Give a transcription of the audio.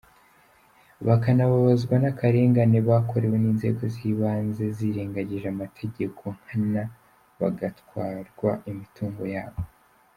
Bakanababazwa n’akarengane bakorewe n’inzego zibanze zirengagije amategeko nkana bagatwarwa imitungo yabo.